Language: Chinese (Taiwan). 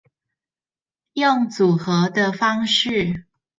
用組合的方式